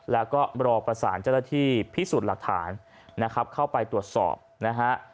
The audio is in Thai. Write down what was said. แล้วก็รอประสานเจ้าหน้าที่พิสูจน์หลักฐานนะครับเข้าไปตรวจสอบนะฮะ